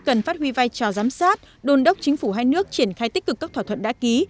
cần phát huy vai trò giám sát đôn đốc chính phủ hai nước triển khai tích cực các thỏa thuận đã ký